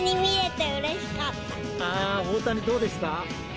大谷、どうでした？